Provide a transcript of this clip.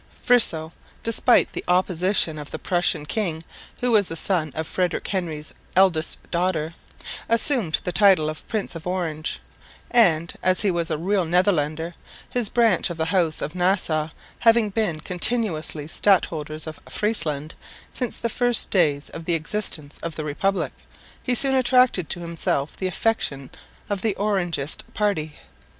Friso (despite the opposition of the Prussian king, who was the son of Frederick Henry's eldest daughter) assumed the title of Prince of Orange; and, as he was a real Netherlander, his branch of the house of Nassau having been continuously stadholders of Friesland since the first days of the existence of the Republic, he soon attracted to himself the affection of the Orangist party.